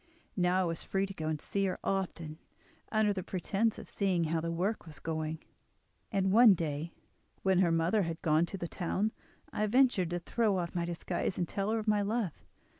Now I was free to go and see her often under the pretence of seeing how the work was going on, and one day, when her mother had gone to the town, I ventured to throw off my disguise, and tell her of my love.